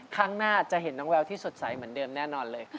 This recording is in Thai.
ข้างหน้าจะเห็นน้องแววที่สดใสเหมือนเดิมแน่นอนเลย